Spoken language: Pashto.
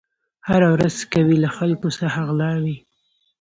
هره ورځ کوي له خلکو څخه غلاوي